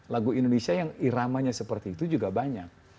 lagu indonesia yang iramanya seperti itu juga banyak